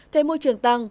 thời môi trường tăng